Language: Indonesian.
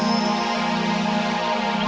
aku gak mau pisah sama kamu